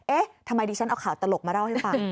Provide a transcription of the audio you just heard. เอ๊ะทำไมดิฉันเอาข่าวตลกมาเล่าให้ฟัง